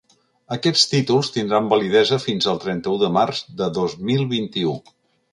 Aquests títols tindran validesa fins al trenta-u de març de dos mil vint-i-u.